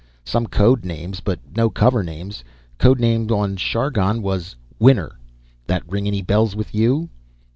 Some code names, but no cover names. Code name on Chargon was Winner. That ring any bells with you?"